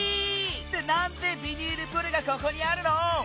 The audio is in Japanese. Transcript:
ってなんでビニールプールがここにあるの？